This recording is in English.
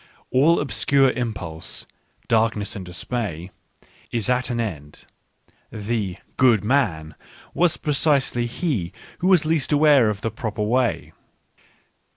All obscure impulse —" darkness and dismay "— is at an end, the "good man " was precisely he who was least aware of the proper way.